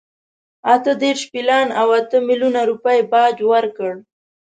اته دېرش پیلان او اته میلیونه روپۍ باج ورکړ.